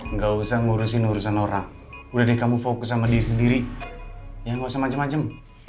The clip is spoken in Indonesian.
nggak usah ngurusin urusan orang udah deh kamu fokus sama diri sendiri yang bisa macam macam